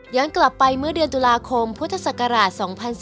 กลับไปเมื่อเดือนตุลาคมพุทธศักราช๒๔